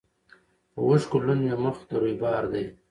په اوښکو لوند مي مخ د رویبار دی